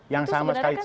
yang sama sekali stereo